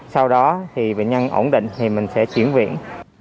sau đó thì bệnh nhân ổn định thì mình sẽ chuyển viện